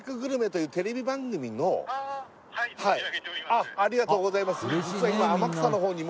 はいあっありがとうございます